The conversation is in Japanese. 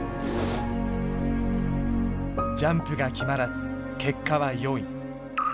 ジャンプが決まらず結果は４位。